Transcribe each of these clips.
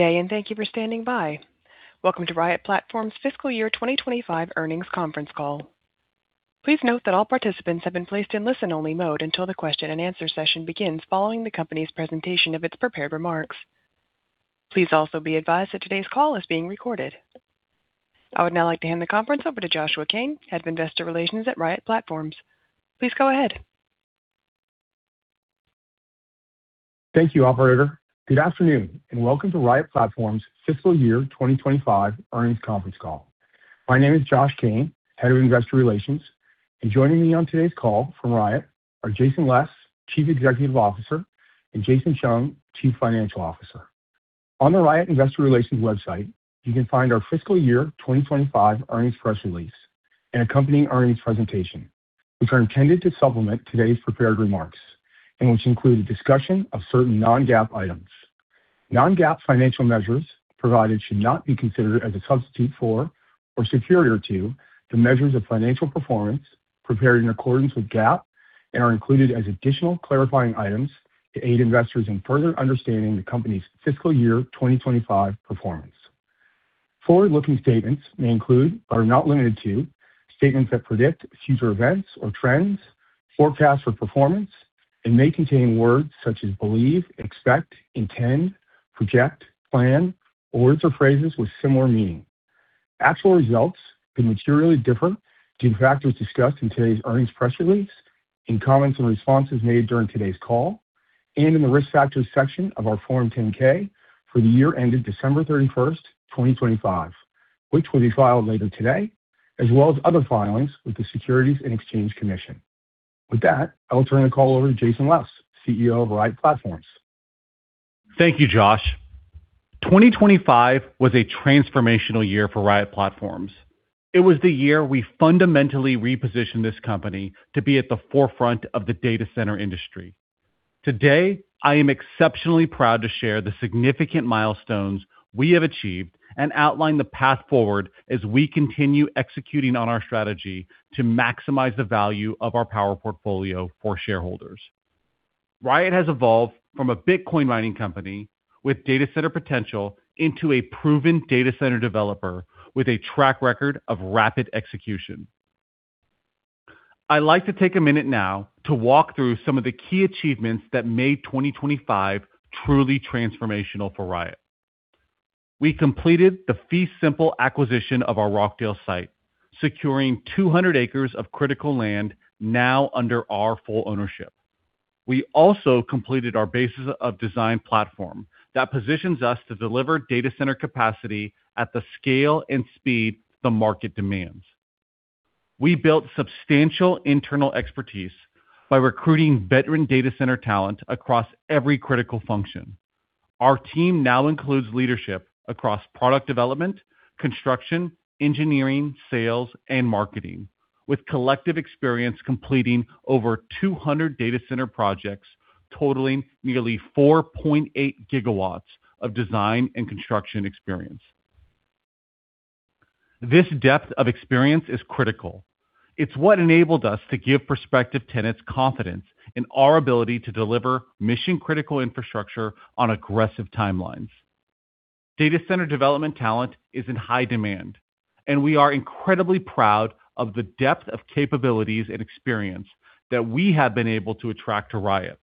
Day. Thank you for standing by. Welcome to Riot Platforms' Fiscal Year 2025 Earnings Conference Call. Please note that all participants have been placed in listen-only mode until the question-and-answer session begins following the company's presentation of its prepared remarks. Please also be advised that today's call is being recorded. I would now like to hand the conference over to Joshua Kane, Head of Investor Relations at Riot Platforms. Please go ahead. Thank you, operator. Good afternoon. Welcome to Riot Platforms' Fiscal Year 2025 Earnings Conference Call. My name is Josh Kane, Head of Investor Relations. Joining me on today's call from Riot are Jason Les, Chief Executive Officer, and Jason Chung, Chief Financial Officer. On the Riot Investor Relations website, you can find our Fiscal Year 2025 earnings press release and accompanying earnings presentation, which are intended to supplement today's prepared remarks and which include a discussion of certain non-GAAP items. Non-GAAP financial measures provided should not be considered as a substitute for or superior to the measures of financial performance prepared in accordance with GAAP and are included as additional clarifying items to aid investors in further understanding the company's Fiscal Year 2025 performance. Forward-looking statements may include, but are not limited to, statements that predict future events or trends, forecasts for performance, and may contain words such as believe, expect, intend, project, plan, or words or phrases with similar meaning. Actual results could materially differ due to factors discussed in today's earnings press release, in comments and responses made during today's call, and in the Risk Factors section of our Form 10-K for the year ended December 31st, 2025, which will be filed later today, as well as other filings with the Securities and Exchange Commission. With that, I'll turn the call over to Jason Les, CEO of Riot Platforms. Thank you, Josh. 2025 was a transformational year for Riot Platforms. It was the year we fundamentally repositioned this company to be at the forefront of the data center industry. Today, I am exceptionally proud to share the significant milestones we have achieved and outline the path forward as we continue executing on our strategy to maximize the value of our power portfolio for shareholders. Riot has evolved from a Bitcoin mining company with data center potential into a proven data center developer with a track record of rapid execution. I'd like to take a minute now to walk through some of the key achievements that made 2025 truly transformational for Riot. We completed the fee simple acquisition of our Rockdale site, securing 200 acres of critical land now under our full ownership. We also completed our bases of design platform that positions us to deliver data center capacity at the scale and speed the market demands. We built substantial internal expertise by recruiting veteran data center talent across every critical function. Our team now includes leadership across product development, construction, engineering, sales, and marketing, with collective experience completing over 200 data center projects totaling nearly 4.8 gigawatts of design and construction experience. This depth of experience is critical. It's what enabled us to give prospective tenants confidence in our ability to deliver mission-critical infrastructure on aggressive timelines. Data center development talent is in high demand, and we are incredibly proud of the depth of capabilities and experience that we have been able to attract to Riot.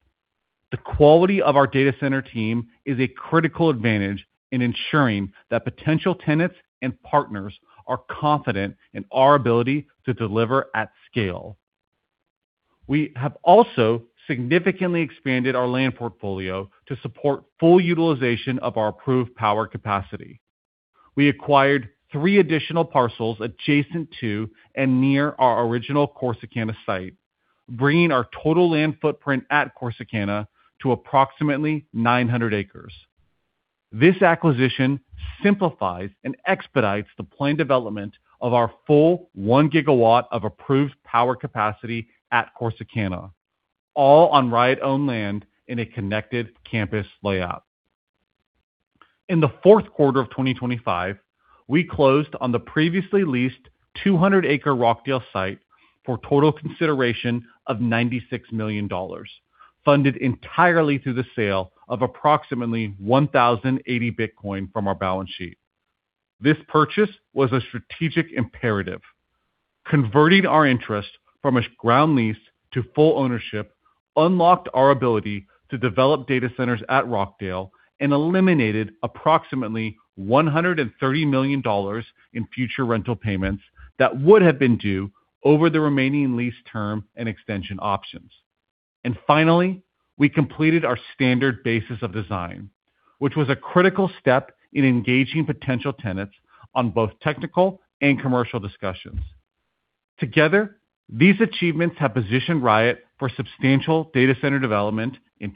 The quality of our data center team is a critical advantage in ensuring that potential tenants and partners are confident in our ability to deliver at scale. We have also significantly expanded our land portfolio to support full utilization of our approved power capacity. We acquired three additional parcels adjacent to and near our original Corsicana site, bringing our total land footprint at Corsicana to approximately 900 acres. This acquisition simplifies and expedites the planned development of our full one gigawatt of approved power capacity at Corsicana, all on Riot-owned land in a connected campus layout. In the fourth quarter of 2025, we closed on the previously leased 200-acre Rockdale site for a total consideration of $96 million, funded entirely through the sale of approximately 1,080 Bitcoin from our balance sheet. This purchase was a strategic imperative. Converting our interest from a ground lease to full ownership unlocked our ability to develop data centers at Rockdale and eliminated approximately $130 million in future rental payments that would have been due over the remaining lease term and extension options. Finally, we completed our standard bases of design, which was a critical step in engaging potential tenants on both technical and commercial discussions. Together, these achievements have positioned Riot for substantial data center development in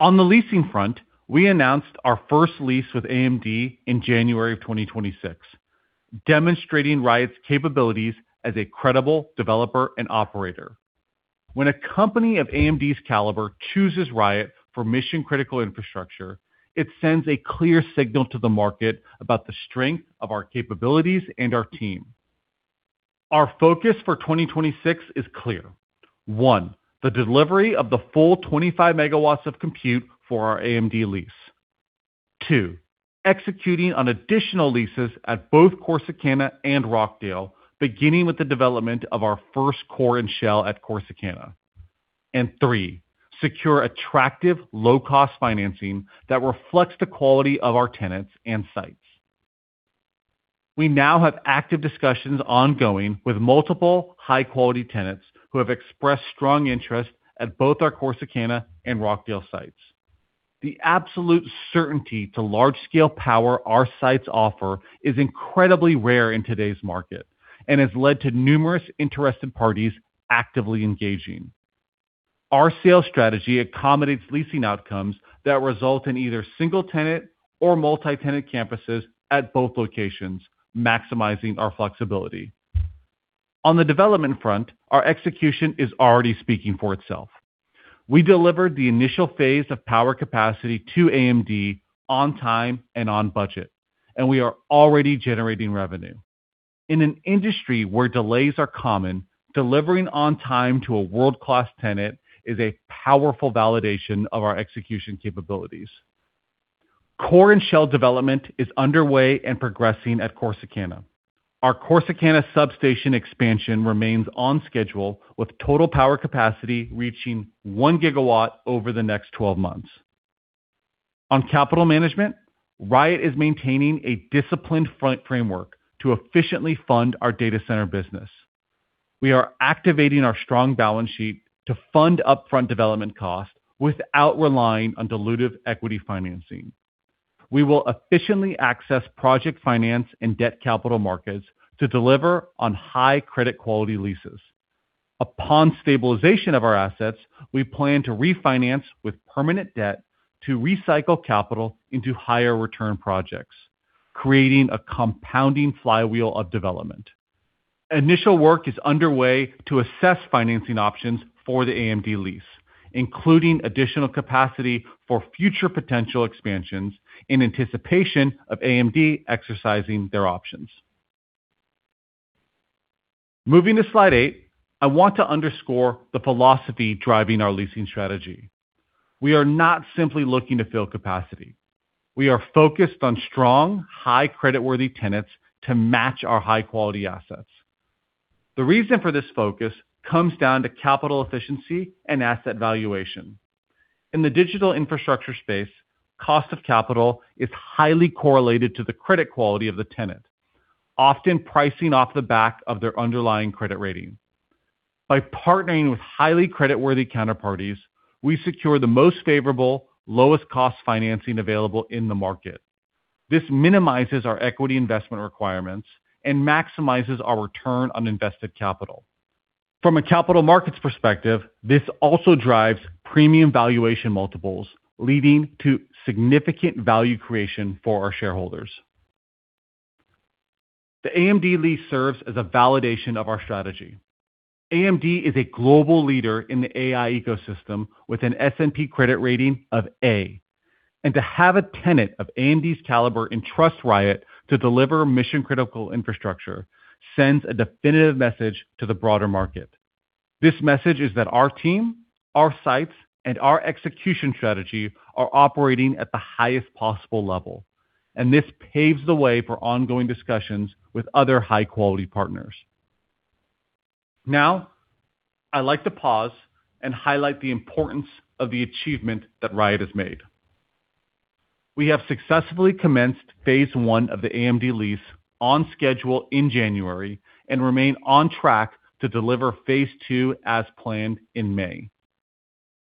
2026 and beyond. On the leasing front, we announced our first lease with AMD in January of 2026, demonstrating Riot's capabilities as a credible developer and operator. When a company of AMD's caliber chooses Riot for mission-critical infrastructure, it sends a clear signal to the market about the strength of our capabilities and our team. Our focus for 2026 is clear. One, the delivery of the full 25 megawatts of compute for our AMD lease. Two, executing on additional leases at both Corsicana and Rockdale, beginning with the development of our first core and shell at Corsicana. Three, secure attractive low-cost financing that reflects the quality of our tenants and sites. We now have active discussions ongoing with multiple high-quality tenants who have expressed strong interest at both our Corsicana and Rockdale sites. The absolute certainty to large-scale power our sites offer is incredibly rare in today's market and has led to numerous interested parties actively engaging. Our sales strategy accommodates leasing outcomes that result in either single-tenant or multi-tenant campuses at both locations, maximizing our flexibility. On the development front, our execution is already speaking for itself. We delivered the initial phase of power capacity to AMD on time and on budget, and we are already generating revenue. In an industry where delays are common, delivering on time to a world-class tenant is a powerful validation of our execution capabilities. Core and shell development is underway and progressing at Corsicana. Our Corsicana substation expansion remains on schedule with total power capacity reaching 1 gigawatt over the next 12 months. On capital management, Riot is maintaining a disciplined front framework to efficiently fund our data center business. We are activating our strong balance sheet to fund upfront development costs without relying on dilutive equity financing. We will efficiently access project finance and debt capital markets to deliver on high credit quality leases. Upon stabilization of our assets, we plan to refinance with permanent debt to recycle capital into higher return projects, creating a compounding flywheel of development. Initial work is underway to assess financing options for the AMD lease, including additional capacity for future potential expansions in anticipation of AMD exercising their options. Moving to slide 8, I want to underscore the philosophy driving our leasing strategy. We are not simply looking to fill capacity. We are focused on strong, high creditworthy tenants to match our high-quality assets. The reason for this focus comes down to capital efficiency and asset valuation. In the digital infrastructure space, cost of capital is highly correlated to the credit quality of the tenant, often pricing off the back of their underlying credit rating. By partnering with highly creditworthy counterparties, we secure the most favorable, lowest cost financing available in the market. This minimizes our equity investment requirements and maximizes our return on invested capital. From a capital markets perspective, this also drives premium valuation multiples, leading to significant value creation for our shareholders. The AMD lease serves as a validation of our strategy. AMD is a global leader in the AI ecosystem with an S&P credit rating of A. To have a tenant of AMD's caliber entrust Riot to deliver mission-critical infrastructure sends a definitive message to the broader market. This message is that our team, our sites, and our execution strategy are operating at the highest possible level, and this paves the way for ongoing discussions with other high-quality partners. Now, I'd like to pause and highlight the importance of the achievement that Riot has made. We have successfully commenced phase 1 of the AMD lease on schedule in January and remain on track to deliver phase 2 as planned in May.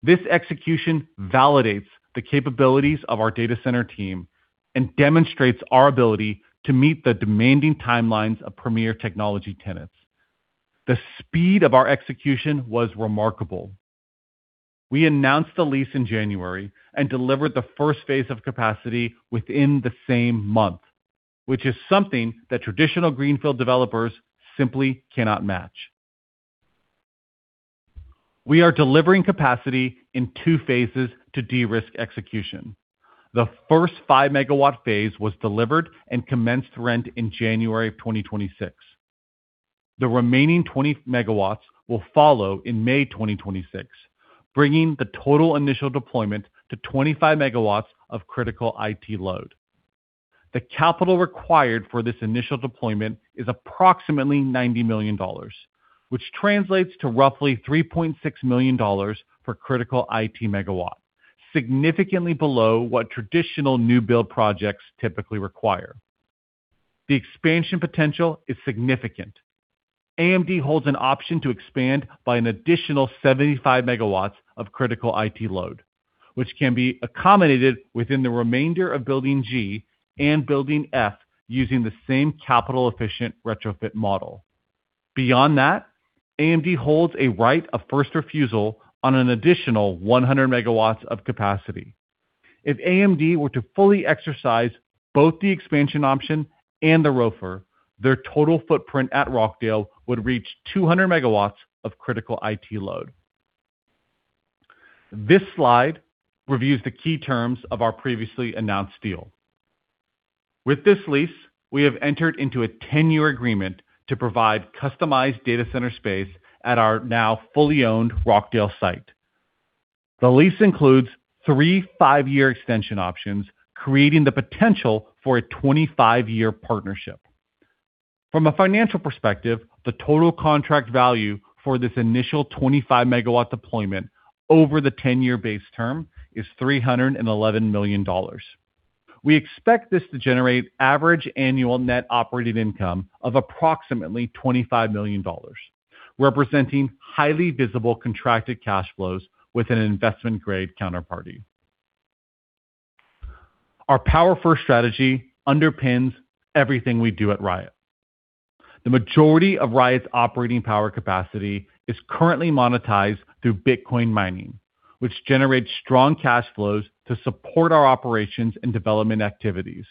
This execution validates the capabilities of our data center team and demonstrates our ability to meet the demanding timelines of premier technology tenants. The speed of our execution was remarkable. We announced the lease in January and delivered the first phase of capacity within the same month, which is something that traditional greenfield developers simply cannot match. We are delivering capacity in 2 phases to de-risk execution. The first 5-megawatt phase was delivered and commenced rent in January of 2026. The remaining 20 megawatts will follow in May 2026, bringing the total initial deployment to 25 megawatts of critical IT load. The capital required for this initial deployment is approximately $90 million, which translates to roughly $3.6 million per critical IT megawatt, significantly below what traditional new build projects typically require. The expansion potential is significant. AMD holds an option to expand by an additional 75 megawatts of critical IT load, which can be accommodated within the remainder of building G and building F using the same capital-efficient retrofit model. Beyond that, AMD holds a right of first refusal on an additional 100 megawatts of capacity. If AMD were to fully exercise both the expansion option and the ROFR, their total footprint at Rockdale would reach 200 megawatts of critical IT load. This slide reviews the key terms of our previously announced deal. With this lease, we have entered into a 10-year agreement to provide customized data center space at our now fully owned Rockdale site. The lease includes three five-year extension options, creating the potential for a 25-year partnership. From a financial perspective, the total contract value for this initial 25-megawatt deployment over the 10-year base term is $311 million. We expect this to generate average annual net operating income of approximately $25 million, representing highly visible contracted cash flows with an investment-grade counterparty. Our power-first strategy underpins everything we do at Riot. The majority of Riot's operating power capacity is currently monetized through Bitcoin mining, which generates strong cash flows to support our operations and development activities.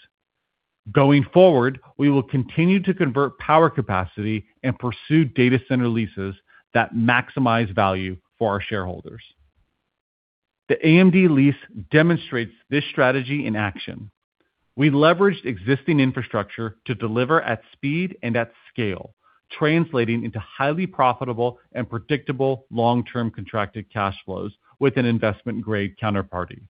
Going forward, we will continue to convert power capacity and pursue data center leases that maximize value for our shareholders. The AMD lease demonstrates this strategy in action. We leveraged existing infrastructure to deliver at speed and at scale, translating into highly profitable and predictable long-term contracted cash flows with an investment-grade counterparty.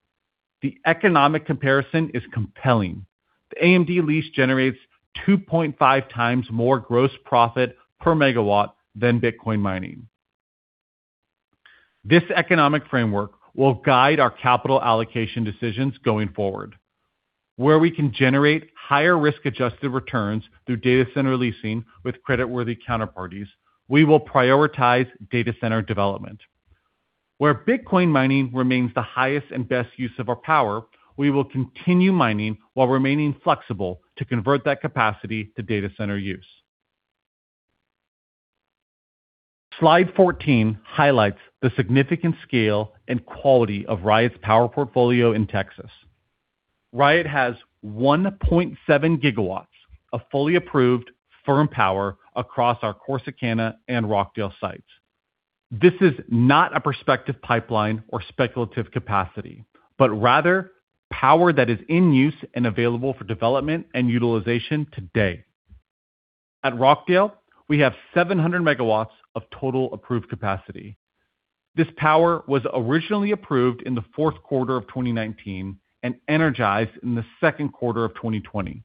The economic comparison is compelling. The AMD lease generates 2.5 times more gross profit per megawatt than Bitcoin mining. This economic framework will guide our capital allocation decisions going forward. Where we can generate higher risk-adjusted returns through data center leasing with creditworthy counterparties, we will prioritize data center development. Where Bitcoin mining remains the highest and best use of our power, we will continue mining while remaining flexible to convert that capacity to data center use. Slide 14 highlights the significant scale and quality of Riot's power portfolio in Texas. Riot has 1.7 gigawatts of fully approved firm power across our Corsicana and Rockdale sites. This is not a prospective pipeline or speculative capacity, but rather power that is in use and available for development and utilization today. At Rockdale, we have 700 megawatts of total approved capacity. This power was originally approved in the fourth quarter of 2019 and energized in the second quarter of 2020.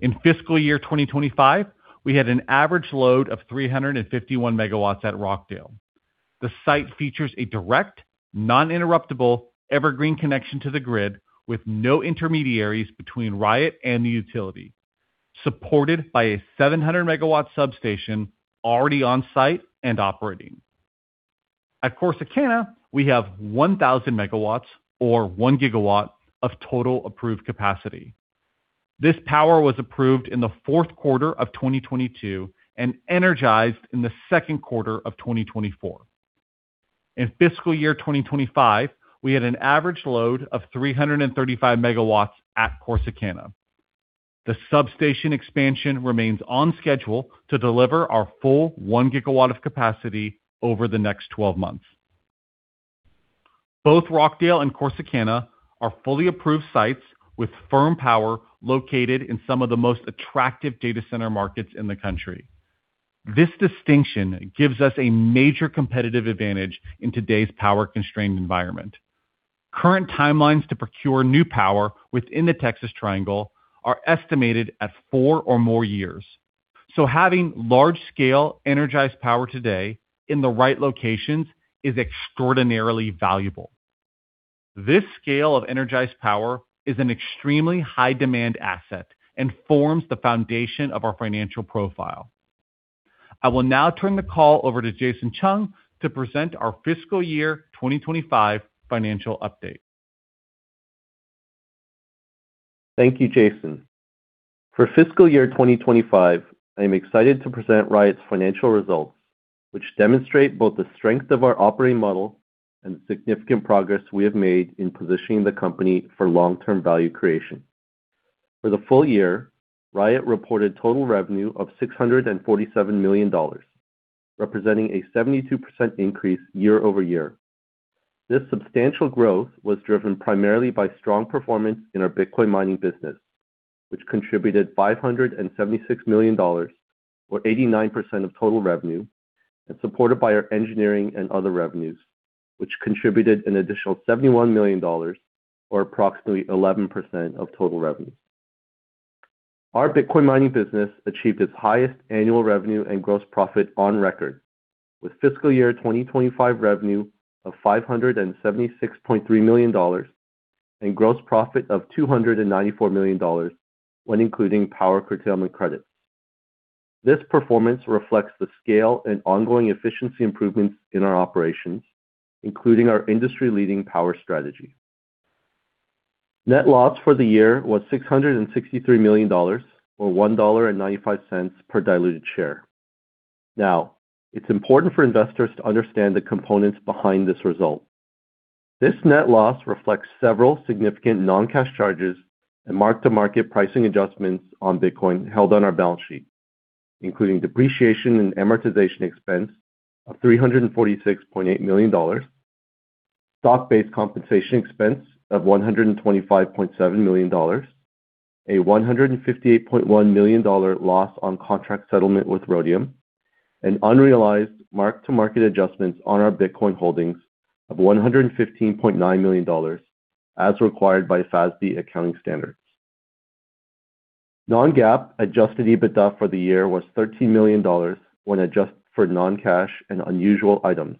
In FY 2025, we had an average load of 351 megawatts at Rockdale. The site features a direct, non-interruptible evergreen connection to the grid with no intermediaries between Riot and the utility, supported by a 700-megawatt substation already on-site and operating. At Corsicana, we have 1,000 megawatts, or one gigawatt, of total approved capacity. This power was approved in the fourth quarter of 2022 and energized in the second quarter of 2024. In FY 2025, we had an average load of 335 megawatts at Corsicana. The substation expansion remains on schedule to deliver our full one gigawatt of capacity over the next 12 months. Both Rockdale and Corsicana are fully approved sites with firm power located in some of the most attractive data center markets in the country. This distinction gives us a major competitive advantage in today's power-constrained environment. Current timelines to procure new power within the Texas Triangle are estimated at four or more years, so having large-scale energized power today in the right locations is extraordinarily valuable. This scale of energized power is an extremely high-demand asset and forms the foundation of our financial profile. I will now turn the call over to Jason Chung to present our FY 2025 financial update. Thank you, Jason. For FY 2025, I am excited to present Riot's financial results, which demonstrate both the strength of our operating model and the significant progress we have made in positioning the company for long-term value creation. For the full year, Riot reported total revenue of $647 million, representing a 72% increase year-over-year. This substantial growth was driven primarily by strong performance in our Bitcoin mining business, which contributed $576 million, or 89% of total revenue, and supported by our engineering and other revenues, which contributed an additional $71 million, or approximately 11% of total revenues. Our Bitcoin mining business achieved its highest annual revenue and gross profit on record, with FY 2025 revenue of $576.3 million and gross profit of $294 million when including power curtailment credits. This performance reflects the scale and ongoing efficiency improvements in our operations, including our industry-leading power strategy. Net loss for the year was $663 million, or $1.95 per diluted share. Now, it's important for investors to understand the components behind this result. This net loss reflects several significant non-cash charges and mark-to-market pricing adjustments on Bitcoin held on our balance sheet. Including depreciation and amortization expense of $346.8 million, stock-based compensation expense of $125.7 million, a $158.1 million loss on contract settlement with Rhodium, and unrealized mark-to-market adjustments on our Bitcoin holdings of $115.9 million, as required by FASB accounting standards. Non-GAAP adjusted EBITDA for the year was $13 million when adjusted for non-cash and unusual items.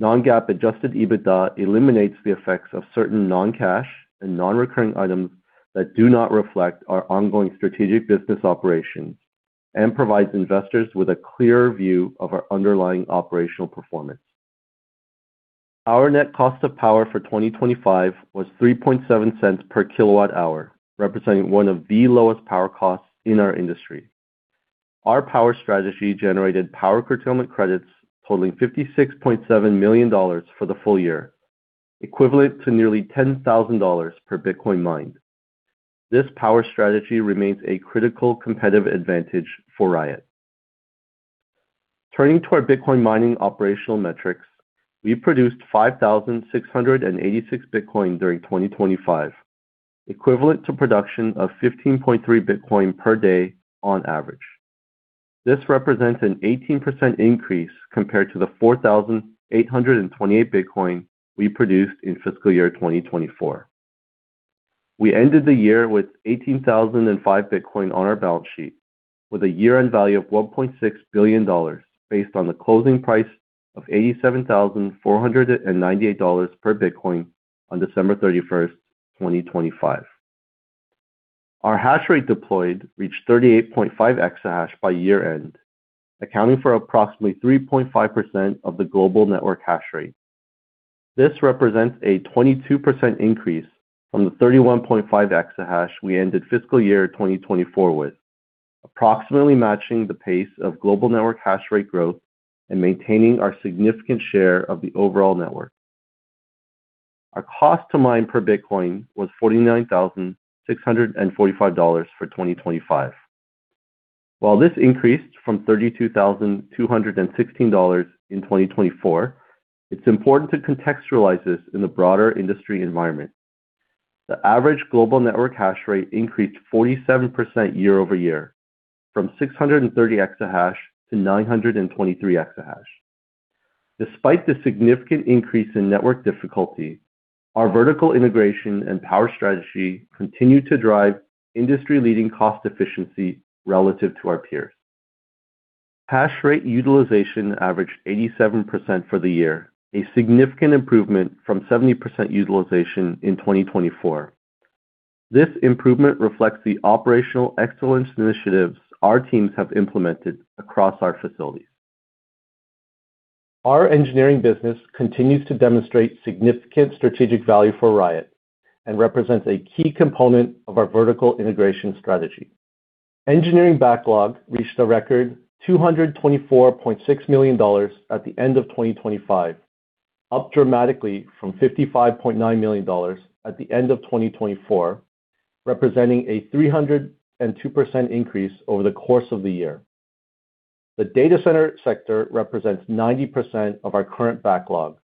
Non-GAAP adjusted EBITDA eliminates the effects of certain non-cash and non-recurring items that do not reflect our ongoing strategic business operations and provides investors with a clearer view of our underlying operational performance. Our net cost of power for 2025 was $0.037 per kilowatt hour, representing one of the lowest power costs in our industry. Our power strategy generated power curtailment credits totaling $56.7 million for the full year, equivalent to nearly $10,000 per Bitcoin mined. This power strategy remains a critical competitive advantage for Riot. Turning to our Bitcoin mining operational metrics, we produced 5,686 Bitcoin during 2025, equivalent to production of 15.3 Bitcoin per day on average. This represents an 18% increase compared to the 4,828 Bitcoin we produced in FY 2024. We ended the year with 18,005 Bitcoin on our balance sheet with a year-end value of $1.6 billion based on the closing price of $87,498 per Bitcoin on December 31st, 2025. Our hash rate deployed reached 38.5 exahash by year-end, accounting for approximately 3.5% of the global network hash rate. This represents a 22% increase from the 31.5 exahash we ended fiscal year 2024 with, approximately matching the pace of global network hash rate growth and maintaining our significant share of the overall network. Our cost to mine per Bitcoin was $49,645 for 2025. While this increased from $32,216 in 2024, it's important to contextualize this in the broader industry environment. The average global network hash rate increased 47% year-over-year, from 630 exahash to 923 exahash. Despite the significant increase in network difficulty, our vertical integration and power strategy continued to drive industry-leading cost efficiency relative to our peers. Hash rate utilization averaged 87% for the year, a significant improvement from 70% utilization in 2024. This improvement reflects the operational excellence initiatives our teams have implemented across our facilities. Our engineering business continues to demonstrate significant strategic value for Riot and represents a key component of our vertical integration strategy. Engineering backlog reached a record $224.6 million at the end of 2025, up dramatically from $55.9 million at the end of 2024, representing a 302% increase over the course of the year. The data center sector represents 90% of our current backlog,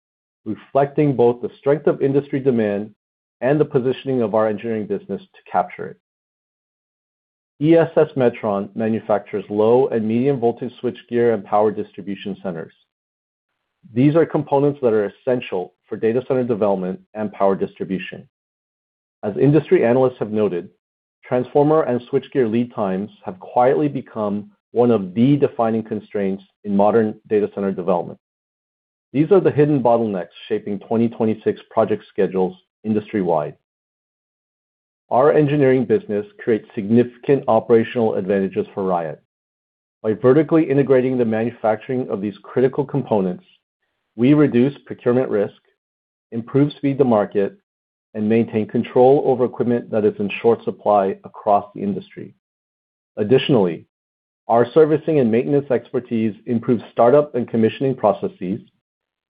reflecting both the strength of industry demand and the positioning of our engineering business to capture it. ESS Metron manufactures low and medium voltage switchgear and power distribution centers. These are components that are essential for data center development and power distribution. As industry analysts have noted, transformer and switchgear lead times have quietly become one of the defining constraints in modern data center development. These are the hidden bottlenecks shaping 2026 project schedules industry-wide. Our engineering business creates significant operational advantages for Riot. By vertically integrating the manufacturing of these critical components, we reduce procurement risk, improve speed to market, and maintain control over equipment that is in short supply across the industry. Additionally, our servicing and maintenance expertise improves startup and commissioning processes,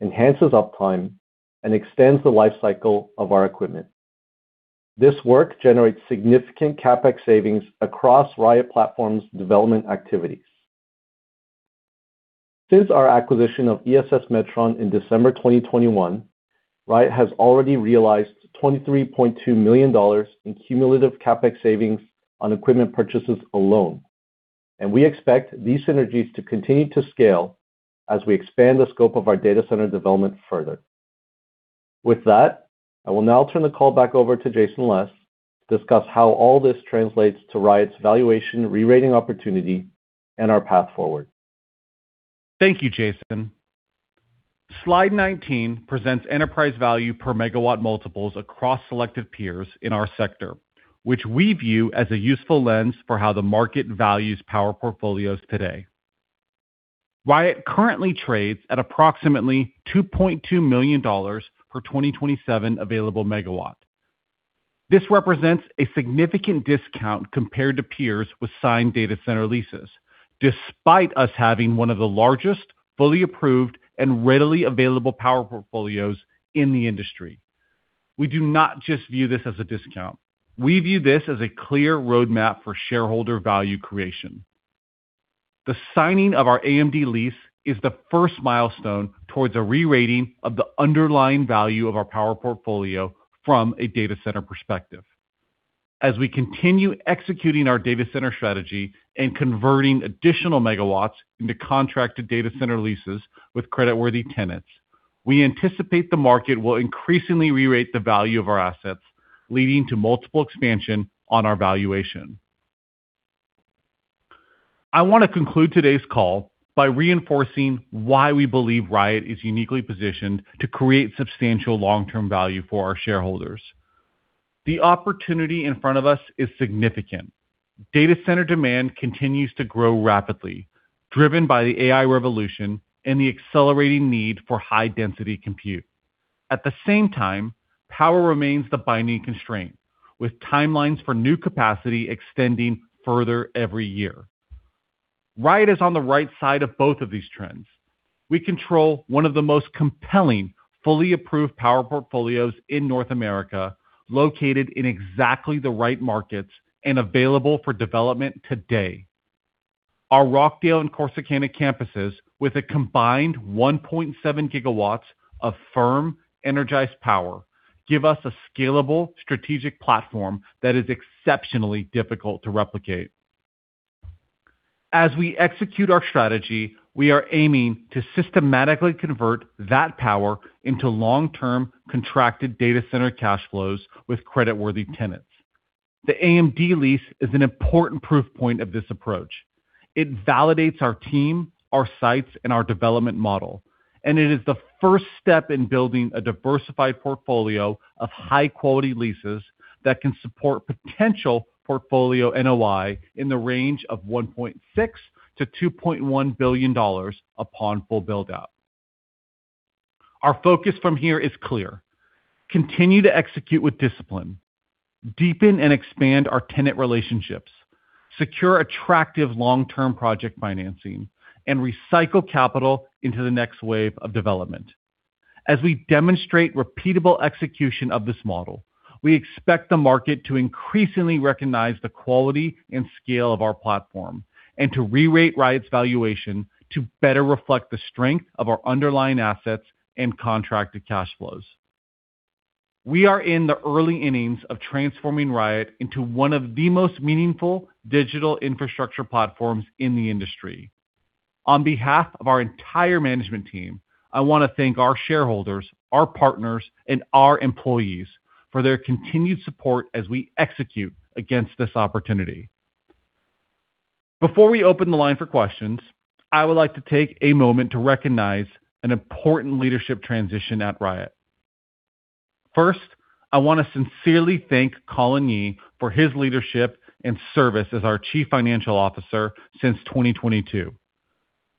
enhances uptime, and extends the life cycle of our equipment. This work generates significant CapEx savings across Riot Platforms development activities. Since our acquisition of ESS Metron in December 2021, Riot has already realized $23.2 million in cumulative CapEx savings on equipment purchases alone, and we expect these synergies to continue to scale as we expand the scope of our data center development further. With that, I will now turn the call back over to Jason Les to discuss how all this translates to Riot's valuation re-rating opportunity and our path forward. Thank you, Jason. Slide 19 presents enterprise value per megawatt multiples across selective peers in our sector, which we view as a useful lens for how the market values power portfolios today. Riot currently trades at approximately $2.2 million per 2027 available megawatt. This represents a significant discount compared to peers with signed data center leases, despite us having one of the largest, fully approved, and readily available power portfolios in the industry. We do not just view this as a discount. We view this as a clear roadmap for shareholder value creation. The signing of our AMD lease is the first milestone towards a re-rating of the underlying value of our power portfolio from a data center perspective. As we continue executing our data center strategy and converting additional megawatts into contracted data center leases with creditworthy tenants, we anticipate the market will increasingly re-rate the value of our assets, leading to multiple expansion on our valuation. I want to conclude today's call by reinforcing why we believe Riot is uniquely positioned to create substantial long-term value for our shareholders. The opportunity in front of us is significant. Data center demand continues to grow rapidly, driven by the AI revolution and the accelerating need for high-density compute. At the same time, power remains the binding constraint, with timelines for new capacity extending further every year. Riot is on the right side of both of these trends. We control one of the most compelling, fully approved power portfolios in North America, located in exactly the right markets and available for development today. Our Rockdale and Corsicana campuses, with a combined 1.7 GW of firm energized power, give us a scalable strategic platform that is exceptionally difficult to replicate. As we execute our strategy, we are aiming to systematically convert that power into long-term contracted data center cash flows with creditworthy tenants. The AMD lease is an important proof point of this approach. It validates our team, our sites, and our development model, and it is the first step in building a diversified portfolio of high-quality leases that can support potential portfolio NOI in the range of $1.6 billion-$2.1 billion upon full build-out. Our focus from here is clear: continue to execute with discipline, deepen and expand our tenant relationships, secure attractive long-term project financing, and recycle capital into the next wave of development. As we demonstrate repeatable execution of this model, we expect the market to increasingly recognize the quality and scale of our platform, and to re-rate Riot's valuation to better reflect the strength of our underlying assets and contracted cash flows. We are in the early innings of transforming Riot into one of the most meaningful digital infrastructure platforms in the industry. On behalf of our entire management team, I want to thank our shareholders, our partners, and our employees for their continued support as we execute against this opportunity. Before we open the line for questions, I would like to take a moment to recognize an important leadership transition at Riot. First, I want to sincerely thank Colin Yee for his leadership and service as our chief financial officer since 2022.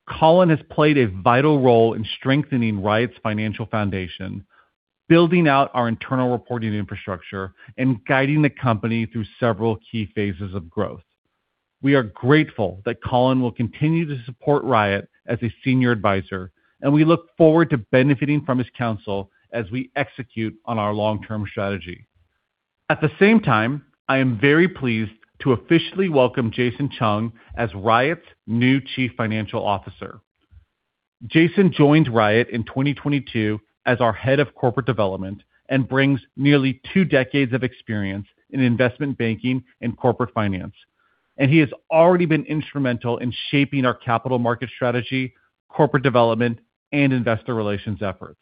Colin has played a vital role in strengthening Riot's financial foundation, building out our internal reporting infrastructure, and guiding the company through several key phases of growth. We are grateful that Colin will continue to support Riot as a senior advisor, and we look forward to benefiting from his counsel as we execute on our long-term strategy. At the same time, I am very pleased to officially welcome Jason Chung as Riot's new chief financial officer. Jason joined Riot in 2022 as our head of corporate development and brings nearly two decades of experience in investment banking and corporate finance. He has already been instrumental in shaping our capital market strategy, corporate development, and investor relations efforts.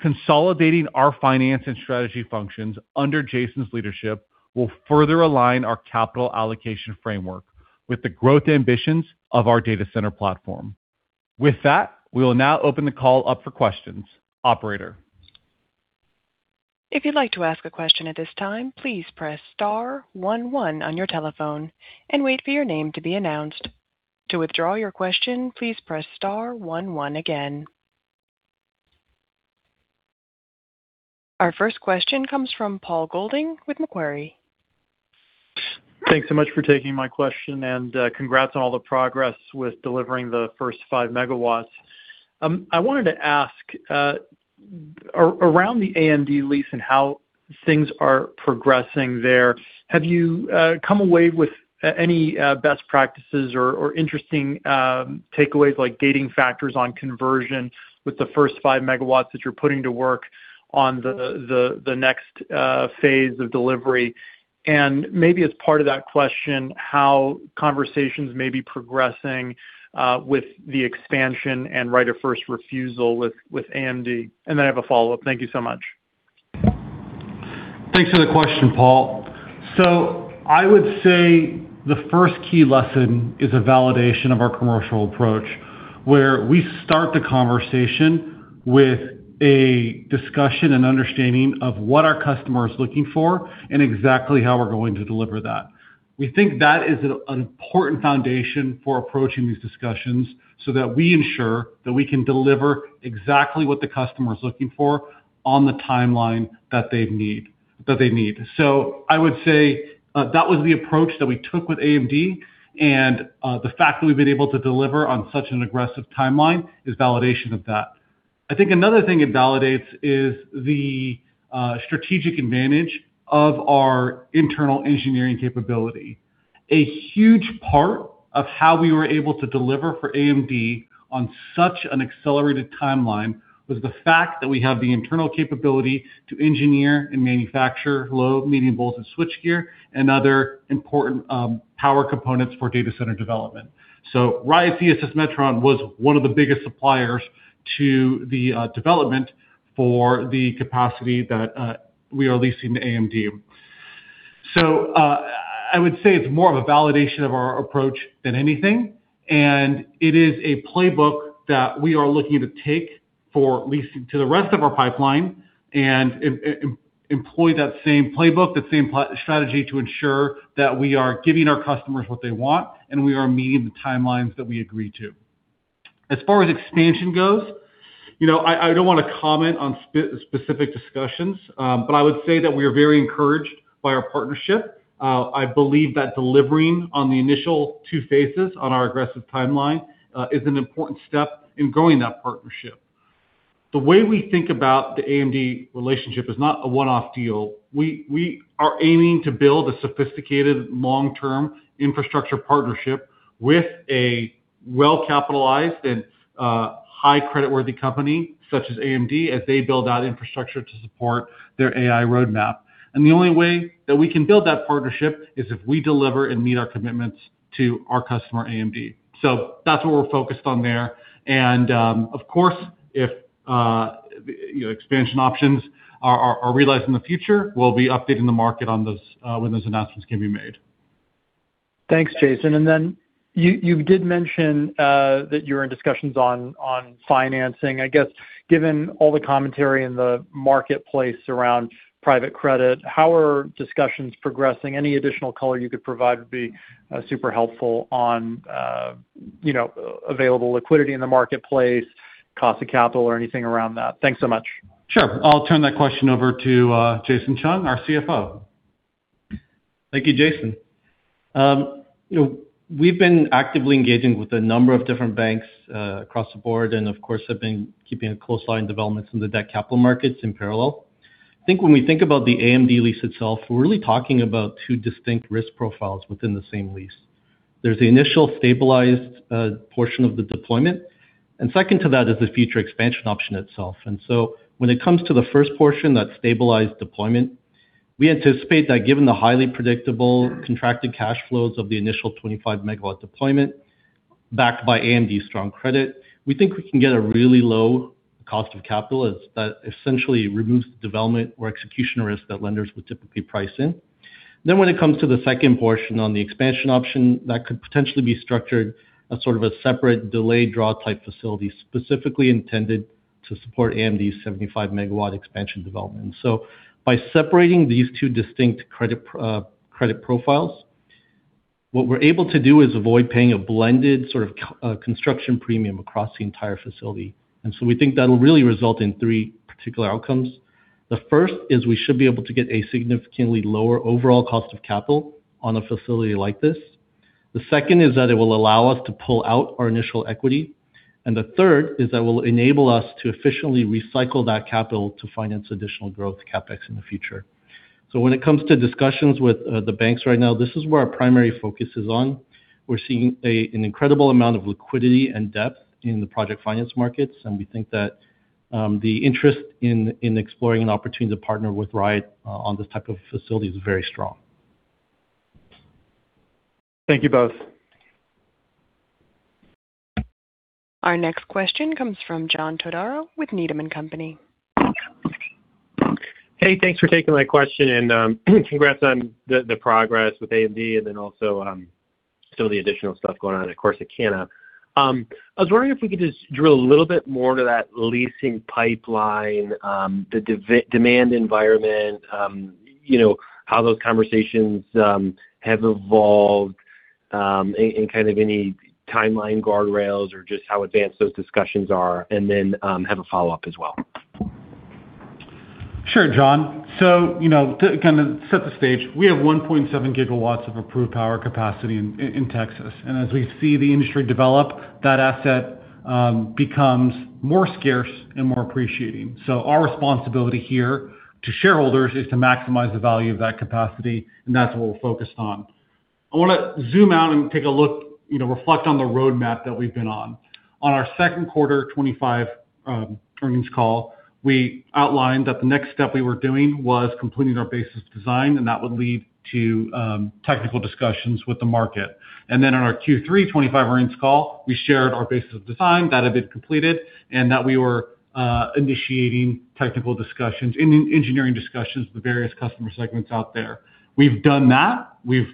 Consolidating our finance and strategy functions under Jason's leadership will further align our capital allocation framework with the growth ambitions of our data center platform. With that, we will now open the call up for questions. Operator. If you'd like to ask a question at this time, please press star one one on your telephone and wait for your name to be announced. To withdraw your question, please press star one one again. Our first question comes from Paul Golding with Macquarie. Thanks so much for taking my question, and congrats on all the progress with delivering the first 5 megawatts. I wanted to ask, around the AMD lease and how things are progressing there, have you come away with any best practices or interesting takeaways, like gating factors on conversion with the first 5 megawatts that you're putting to work on the next phase of delivery? Maybe as part of that question, how conversations may be progressing with the expansion and right of first refusal with AMD? Then I have a follow-up. Thank you so much. Thanks for the question, Paul. I would say the first key lesson is a validation of our commercial approach, where we start the conversation with a discussion and understanding of what our customer is looking for and exactly how we're going to deliver that. We think that is an important foundation for approaching these discussions so that we ensure that we can deliver exactly what the customer is looking for on the timeline that they need. I would say that was the approach that we took with AMD, and the fact that we've been able to deliver on such an aggressive timeline is validation of that. I think another thing it validates is the strategic advantage of our internal engineering capability. A huge part of how we were able to deliver for AMD on such an accelerated timeline was the fact that we have the internal capability to engineer and manufacture low, medium-voltage switchgear and other important power components for data center development. Riot's ESS Metron was one of the biggest suppliers to the development for the capacity that we are leasing to AMD. I would say it's more of a validation of our approach than anything, and it is a playbook that we are looking to take for leasing to the rest of our pipeline and employ that same playbook, that same strategy to ensure that we are giving our customers what they want and we are meeting the timelines that we agree to. As far as expansion goes, I don't want to comment on specific discussions. I would say that we are very encouraged by our partnership. I believe that delivering on the initial 2 phases on our aggressive timeline is an important step in growing that partnership. The way we think about the AMD relationship is not a one-off deal. We are aiming to build a sophisticated long-term infrastructure partnership with a well-capitalized and high creditworthy company such as AMD as they build out infrastructure to support their AI roadmap. The only way that we can build that partnership is if we deliver and meet our commitments to our customer, AMD. That's what we're focused on there. Of course, if expansion options are realized in the future, we'll be updating the market when those announcements can be made. Thanks, Jason. You did mention that you're in discussions on financing. I guess, given all the commentary in the marketplace around private credit, how are discussions progressing? Any additional color you could provide would be super helpful on available liquidity in the marketplace, cost of capital or anything around that. Thanks so much. Sure. I'll turn that question over to Jason Chung, our CFO. Thank you, Jason. We've been actively engaging with a number of different banks across the board, of course, have been keeping a close eye on developments in the debt capital markets in parallel. I think when we think about the AMD lease itself, we're really talking about two distinct risk profiles within the same lease. There's the initial stabilized portion of the deployment, and second to that is the future expansion option itself. When it comes to the first portion, that stabilized deployment, we anticipate that given the highly predictable contracted cash flows of the initial 25-megawatt deployment backed by AMD's strong credit, we think we can get a really low cost of capital that essentially removes the development or execution risk that lenders would typically price in. When it comes to the second portion on the expansion option, that could potentially be structured as sort of a separate delayed draw type facility, specifically intended to support AMD's 75-megawatt expansion development. By separating these two distinct credit profiles, what we're able to do is avoid paying a blended sort of construction premium across the entire facility. We think that'll really result in three particular outcomes. The first is we should be able to get a significantly lower overall cost of capital on a facility like this. The second is that it will allow us to pull out our initial equity, and the third is that it will enable us to efficiently recycle that capital to finance additional growth CapEx in the future. When it comes to discussions with the banks right now, this is where our primary focus is on. We're seeing an incredible amount of liquidity and depth in the project finance markets, we think that the interest in exploring an opportunity to partner with Riot on this type of facility is very strong. Thank you both. Our next question comes from John Todaro with Needham & Company. Hey, thanks for taking my question. Congrats on the progress with AMD. Also some of the additional stuff going on at Corsicana. I was wondering if we could just drill a little bit more into that leasing pipeline, the demand environment, how those conversations have evolved, kind of any timeline guardrails or just how advanced those discussions are. Have a follow-up as well. Sure, John. To kind of set the stage, we have 1.7 gigawatts of approved power capacity in Texas. As we see the industry develop, that asset becomes more scarce and more appreciating. Our responsibility here to shareholders is to maximize the value of that capacity, that's what we're focused on. I want to zoom out and take a look, reflect on the roadmap that we've been on. On our second quarter 2025 earnings call, we outlined that the next step we were doing was completing our basis of design, that would lead to technical discussions with the market. On our Q3 2025 earnings call, we shared our basis of design that had been completed, that we were initiating technical discussions, engineering discussions with various customer segments out there. We've done that. We've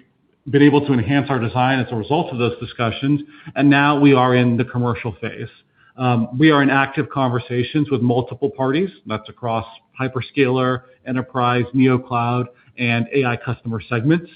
been able to enhance our design as a result of those discussions. Now we are in the commercial phase. We are in active conversations with multiple parties. That's across hyperscaler, enterprise, neocloud, and AI customer segments.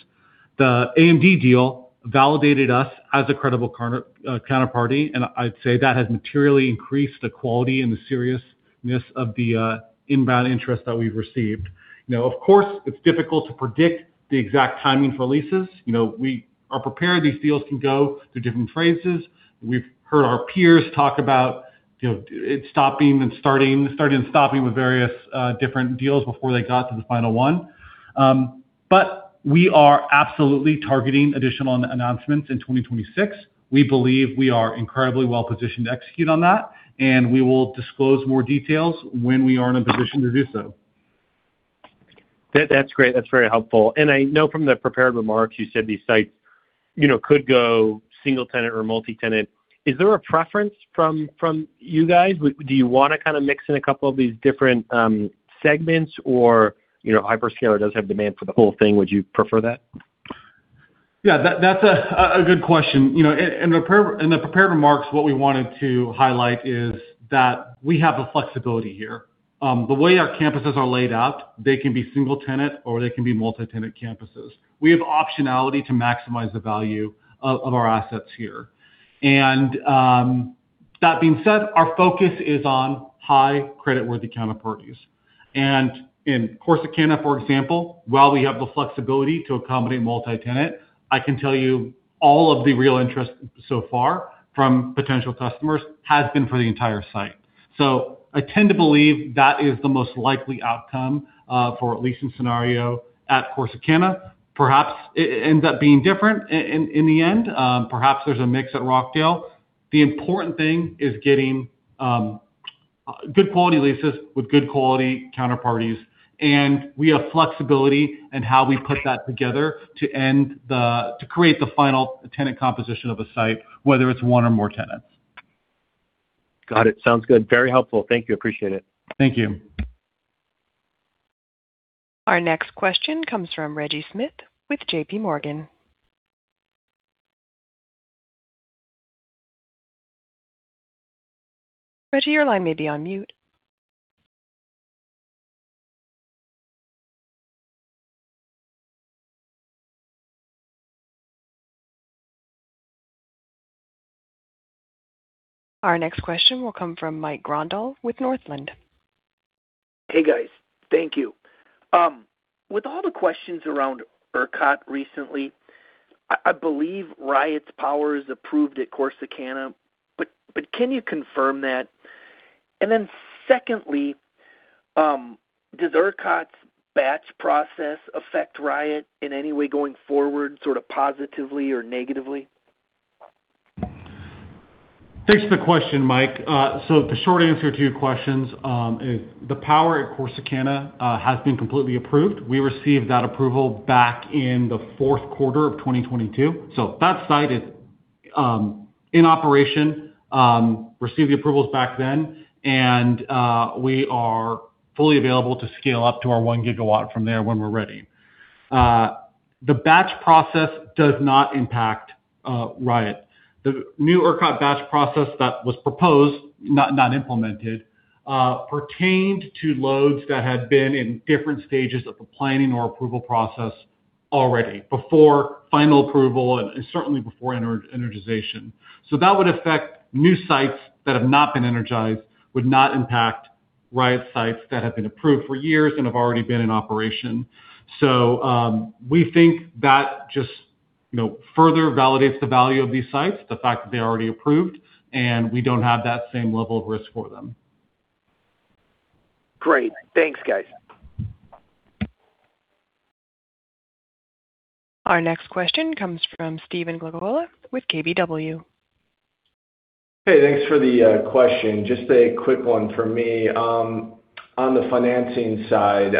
The AMD deal validated us as a credible counterparty, I'd say that has materially increased the quality and the seriousness of the inbound interest that we've received. Now, of course, it's difficult to predict the exact timing for leases. We are prepared. These deals can go through different phases. We've heard our peers talk about starting and stopping with various different deals before they got to the final one. We are absolutely targeting additional announcements in 2026. We believe we are incredibly well-positioned to execute on that, we will disclose more details when we are in a position to do so. That's great. That's very helpful. I know from the prepared remarks you said these sites could go single tenant or multi-tenant. Is there a preference from you guys? Do you want to kind of mix in a couple of these different segments? Hyperscaler does have demand for the whole thing, would you prefer that? Yeah, that's a good question. In the prepared remarks, what we wanted to highlight is that we have the flexibility here. The way our campuses are laid out, they can be single tenant or they can be multi-tenant campuses. We have optionality to maximize the value of our assets here. That being said, our focus is on high creditworthy counterparties. In Corsicana, for example, while we have the flexibility to accommodate multi-tenant, I can tell you all of the real interest so far from potential customers has been for the entire site. I tend to believe that is the most likely outcome for a leasing scenario at Corsicana. Perhaps it ends up being different in the end. Perhaps there's a mix at Rockdale. The important thing is getting good quality leases with good quality counterparties, and we have flexibility in how we put that together to create the final tenant composition of a site, whether it's one or more tenants. Got it. Sounds good. Very helpful. Thank you. Appreciate it. Thank you. Our next question comes from Reggie Smith with J.P. Morgan. Reggie, your line may be on mute. Our next question will come from Mike Grondahl with Northland. Hey, guys. Thank you. With all the questions around ERCOT recently, I believe Riot's power is approved at Corsicana, but can you confirm that? Secondly, does ERCOT's batch process affect Riot in any way going forward, sort of positively or negatively? Thanks for the question, Mike. The short answer to your questions, is the power at Corsicana has been completely approved. We received that approval back in the fourth quarter of 2022. That site is in operation, received the approvals back then, and we are fully available to scale up to our 1 gigawatt from there when we're ready. The batch process does not impact Riot. The new ERCOT batch process that was proposed, not implemented, pertained to loads that had been in different stages of the planning or approval process already before final approval and certainly before energization. That would affect new sites that have not been energized, would not impact Riot sites that have been approved for years and have already been in operation. We think that just further validates the value of these sites, the fact that they're already approved and we don't have that same level of risk for them. Great. Thanks, guys. Our next question comes from Stephen Glagola with KBW. Hey, thanks for the question. Just a quick one from me. On the financing side,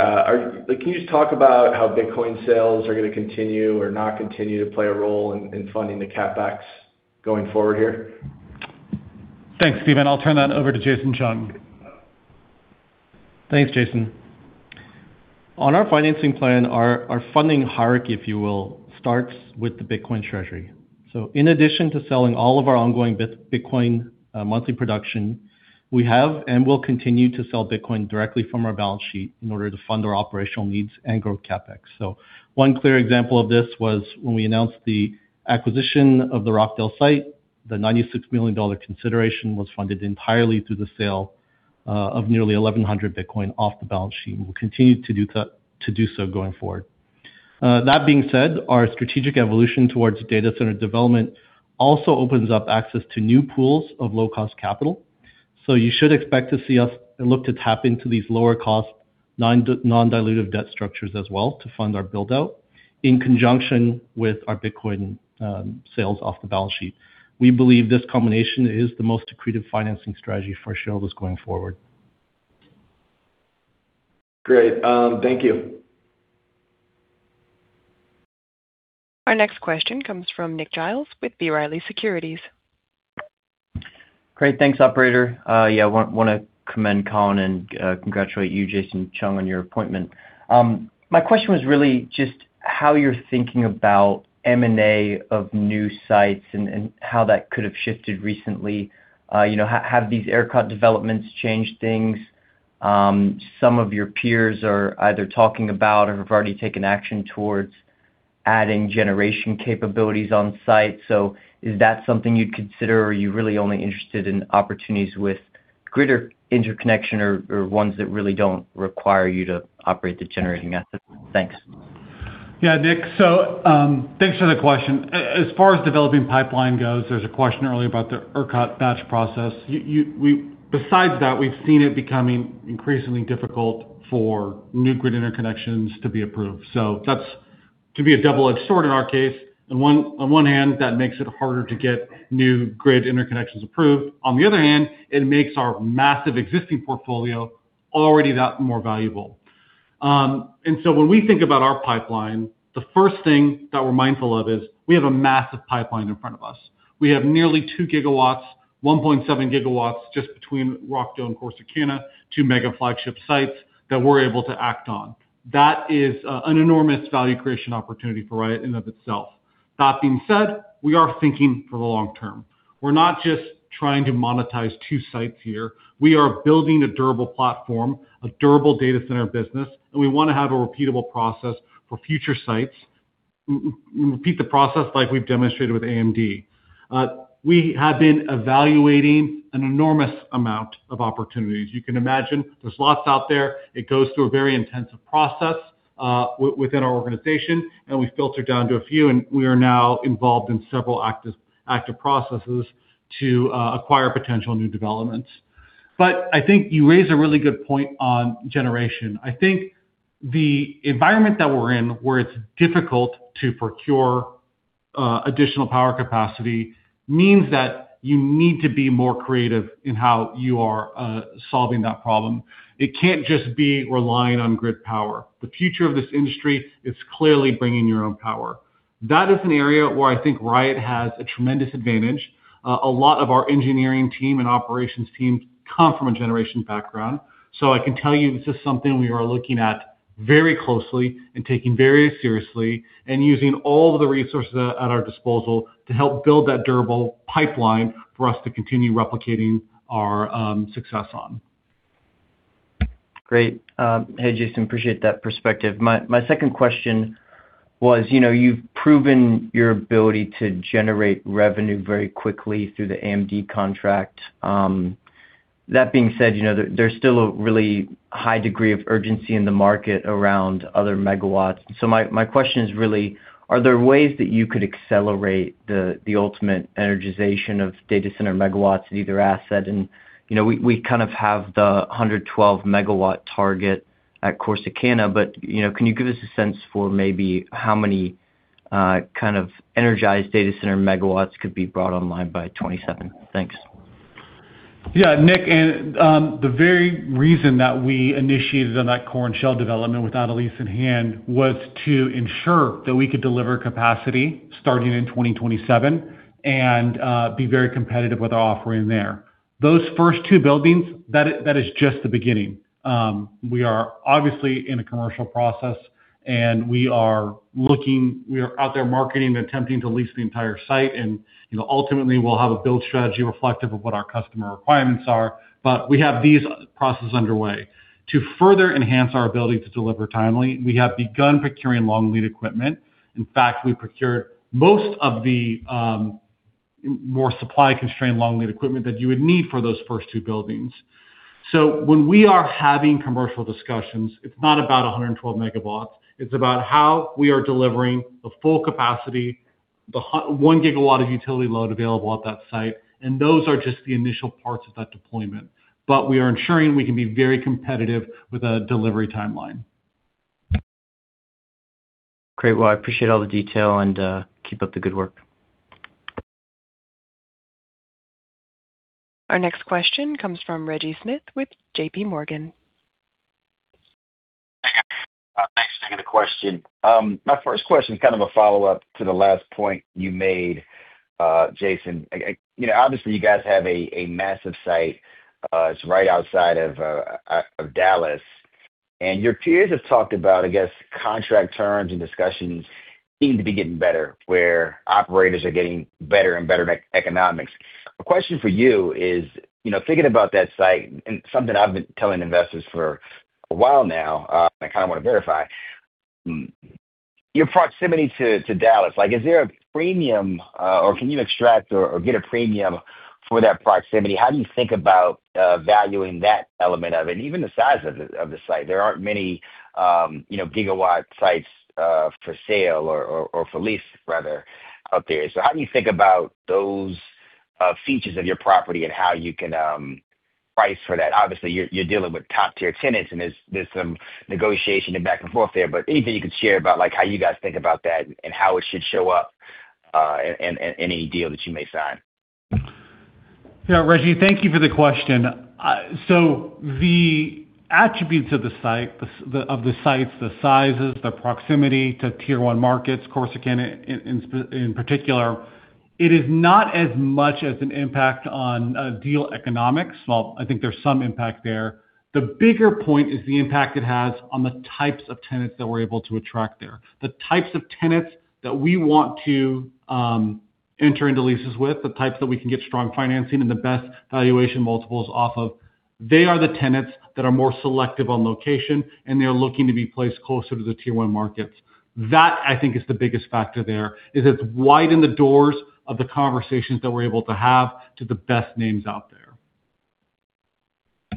can you just talk about how Bitcoin sales are going to continue or not continue to play a role in funding the CapEx going forward here? Thanks, Stephen. I'll turn that over to Jason Chung. Thanks, Jason. On our financing plan, our funding hierarchy, if you will, starts with the Bitcoin treasury. In addition to selling all of our ongoing Bitcoin monthly production, we have and will continue to sell Bitcoin directly from our balance sheet in order to fund our operational needs and grow CapEx. One clear example of this was when we announced the acquisition of the Rockdale site. The $96 million consideration was funded entirely through the sale of nearly 1,100 Bitcoin off the balance sheet, and we'll continue to do so going forward. That being said, our strategic evolution towards data center development also opens up access to new pools of low-cost capital. You should expect to see us look to tap into these lower cost, non-dilutive debt structures as well to fund our build-out in conjunction with our Bitcoin sales off the balance sheet. We believe this combination is the most accretive financing strategy for shareholders going forward. Great. Thank you. Our next question comes from Nick Giles with B. Riley Securities. Great. Thanks, operator. Yeah, want to commend Colin and congratulate you, Jason Chung, on your appointment. My question was really just how you're thinking about M&A of new sites and how that could have shifted recently. Have these ERCOT developments changed things? Some of your peers are either talking about or have already taken action towards adding generation capabilities on site. Is that something you'd consider? Are you really only interested in opportunities with grid interconnection, or ones that really don't require you to operate the generating asset? Thanks. Yeah, Nick. Thanks for the question. As far as developing pipeline goes, there was a question earlier about the ERCOT batch process. Besides that, we've seen it becoming increasingly difficult for new grid interconnections to be approved. That's to be a double-edged sword in our case. On one hand, that makes it harder to get new grid interconnections approved. On the other hand, it makes our massive existing portfolio already that more valuable. When we think about our pipeline, the first thing that we're mindful of is we have a massive pipeline in front of us. We have nearly two gigawatts, 1.7 gigawatts just between Rockdale and Corsicana, two mega flagship sites that we're able to act on. That is an enormous value creation opportunity for Riot in and of itself. That being said, we are thinking for the long term. We're not just trying to monetize two sites here. We are building a durable platform, a durable data center business, we want to have a repeatable process for future sites, repeat the process like we've demonstrated with AMD. We have been evaluating an enormous amount of opportunities. You can imagine there's lots out there. It goes through a very intensive process within our organization, we filter it down to a few, we are now involved in several active processes to acquire potential new developments. I think you raise a really good point on generation. I think the environment that we're in, where it's difficult to procure additional power capacity means that you need to be more creative in how you are solving that problem. It can't just be relying on grid power. The future of this industry is clearly bringing your own power. That is an area where I think Riot has a tremendous advantage. A lot of our engineering team and operations team come from a generation background. I can tell you this is something we are looking at very closely and taking very seriously, and using all the resources at our disposal to help build that durable pipeline for us to continue replicating our success on. Great. Hey, Jason, appreciate that perspective. My second question was you've proven your ability to generate revenue very quickly through the AMD contract. That being said, there's still a really high degree of urgency in the market around other megawatts. My question is really, are there ways that you could accelerate the ultimate energization of data center megawatts at either asset? We kind of have the 112-megawatt target at Corsicana, but can you give us a sense for maybe how many kind of energized data center megawatts could be brought online by 2027? Thanks. Nick, the very reason that we initiated on that core and shell development without a lease in hand was to ensure that we could deliver capacity starting in 2027 and be very competitive with our offering there. Those first two buildings, that is just the beginning. We are obviously in a commercial process, we are out there marketing and attempting to lease the entire site. Ultimately, we'll have a build strategy reflective of what our customer requirements are. We have these processes underway. To further enhance our ability to deliver timely, we have begun procuring long lead equipment. In fact, we procure most of the more supply-constrained long lead equipment that you would need for those first two buildings. When we are having commercial discussions, it's not about 112 megawatts, it's about how we are delivering the full capacity, the 1 gigawatt of utility load available at that site, those are just the initial parts of that deployment. We are ensuring we can be very competitive with a delivery timeline. Great. Well, I appreciate all the detail, keep up the good work. Our next question comes from Reggie Smith with J.P. Morgan. Thanks. I got a question. My first question is kind of a follow-up to the last point you made, Jason. Obviously, you guys have a massive site. It's right outside of Dallas. Your peers have talked about, I guess, contract terms and discussions seem to be getting better, where operators are getting better and better economics. A question for you is, thinking about that site and something I've been telling investors for a while now, and I kind of want to verify, your proximity to Dallas, is there a premium or can you extract or get a premium for that proximity? How do you think about valuing that element of it, even the size of the site? There aren't many gigawatt sites for sale or for lease, rather, out there. How do you think about those features of your property and how you can price for that? Obviously, you're dealing with top-tier tenants, and there's some negotiation and back and forth there. Anything you can share about how you guys think about that and how it should show up in any deal that you may sign? Reggie, thank you for the question. The attributes of the sites, the sizes, the proximity to tier 1 markets, Corsicana in particular, it is not as much as an impact on deal economics. I think there is some impact there. The bigger point is the impact it has on the types of tenants that we are able to attract there. The types of tenants that we want to enter into leases with, the types that we can get strong financing and the best valuation multiples off of. They are the tenants that are more selective on location, and they are looking to be placed closer to the tier 1 markets. That, I think, is the biggest factor there, is it has widened the doors of the conversations that we are able to have to the best names out there.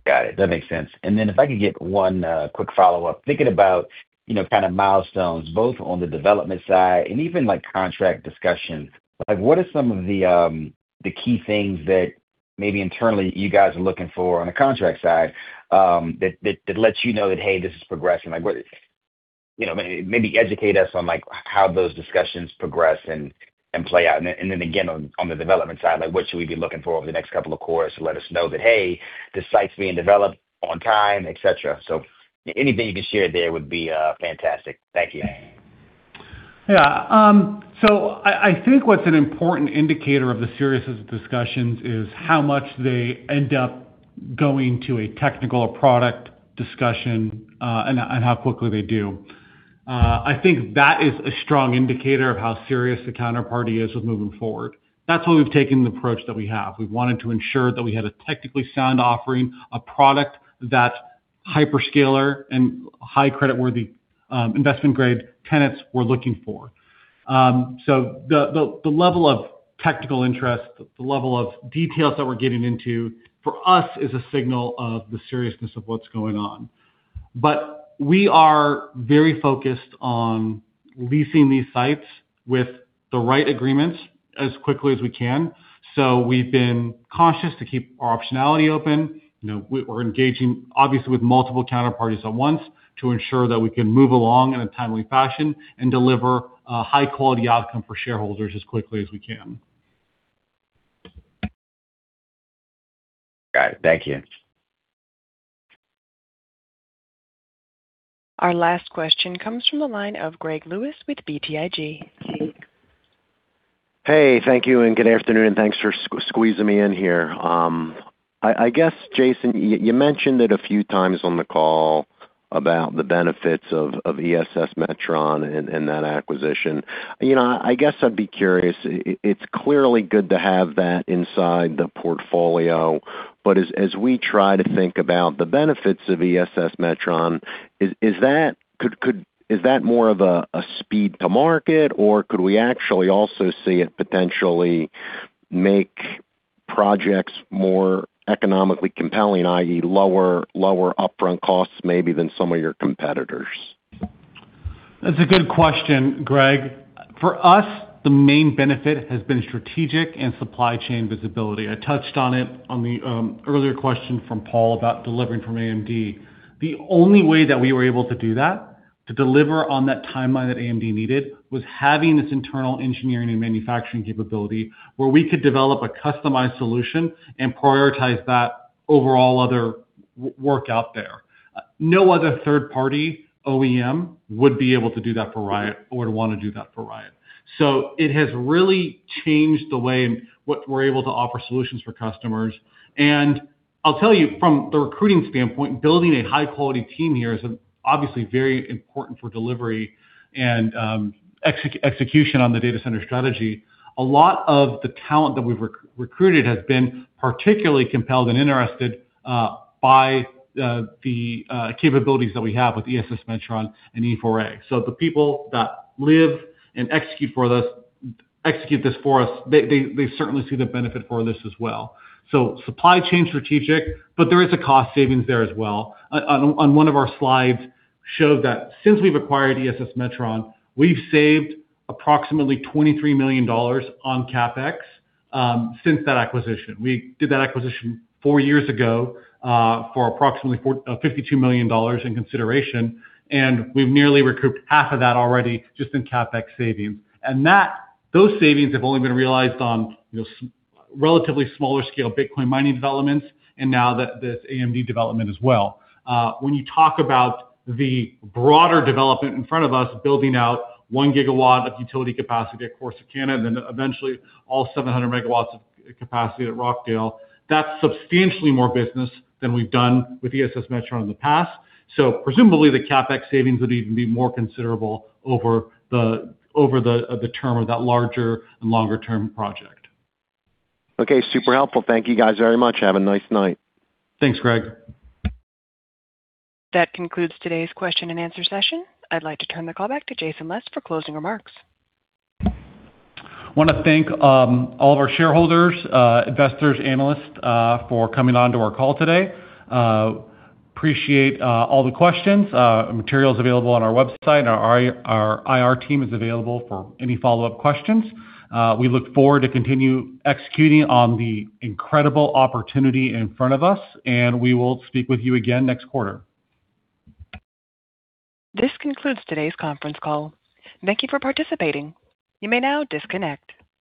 Got it. That makes sense. If I could get one quick follow-up. Thinking about kind of milestones both on the development side and even contract discussions. What are some of the key things that maybe internally you guys are looking for on the contract side that lets you know that, hey, this is progressing? Maybe educate us on how those discussions progress and play out. Again, on the development side, what should we be looking for over the next couple of quarters to let us know that, hey, this site is being developed on time, et cetera. Anything you can share there would be fantastic. Thank you. I think what is an important indicator of the seriousness of discussions is how much they end up going to a technical or product discussion, and how quickly they do. I think that is a strong indicator of how serious the counterparty is with moving forward. That is why we have taken the approach that we have. We wanted to ensure that we had a technically sound offering, a product that hyperscaler and high creditworthy, investment-grade tenants were looking for. The level of technical interest, the level of details that we are getting into, for us, is a signal of the seriousness of what is going on. We are very focused on leasing these sites with the right agreements as quickly as we can. We have been cautious to keep our optionality open. We are engaging, obviously, with multiple counterparties at once to ensure that we can move along in a timely fashion and deliver a high-quality outcome for shareholders as quickly as we can. Got it. Thank you. Our last question comes from the line of Greg Lewis with BTIG. Hey, thank you. Good afternoon, and thanks for squeezing me in here. I guess, Jason, you mentioned it a few times on the call about the benefits of ESS Metron and that acquisition. I guess I'd be curious. It's clearly good to have that inside the portfolio, but as we try to think about the benefits of ESS Metron, is that more of a speed to market, or could we actually also see it potentially make projects more economically compelling, i.e. lower upfront costs maybe than some of your competitors? That's a good question, Greg. For us, the main benefit has been strategic and supply chain visibility. I touched on it on the earlier question from Paul about delivering from AMD. The only way that we were able to do that, to deliver on that timeline that AMD needed, was having this internal engineering and manufacturing capability where we could develop a customized solution and prioritize that over all other work out there. No other third party OEM would be able to do that for Riot or would want to do that for Riot. It has really changed the way in what we're able to offer solutions for customers. I'll tell you, from the recruiting standpoint, building a high-quality team here is obviously very important for delivery and execution on the data center strategy. A lot of the talent that we've recruited has been particularly compelled and interested by the capabilities that we have with ESS Metron and E4A. The people that live and execute this for us, they certainly see the benefit for this as well. Supply chain strategic, but there is a cost savings there as well. On one of our slides showed that since we've acquired ESS Metron, we've saved approximately $23 million on CapEx since that acquisition. We did that acquisition four years ago, for approximately $52 million in consideration, and we've nearly recouped half of that already just in CapEx savings. Those savings have only been realized on relatively smaller scale Bitcoin mining developments and now this AMD development as well. When you talk about the broader development in front of us, building out one gigawatt of utility capacity at Corsicana, and then eventually all 700 megawatts of capacity at Rockdale, that's substantially more business than we've done with ESS Metron in the past. Presumably, the CapEx savings would even be more considerable over the term of that larger and longer-term project. Okay. Super helpful. Thank you guys very much. Have a nice night. Thanks, Greg. That concludes today's question and answer session. I'd like to turn the call back to Jason Les for closing remarks. I want to thank all of our shareholders, investors, analysts, for coming onto our call today. Appreciate all the questions. Material is available on our website. Our IR team is available for any follow-up questions. We look forward to continue executing on the incredible opportunity in front of us. We will speak with you again next quarter. This concludes today's conference call. Thank you for participating. You may now disconnect.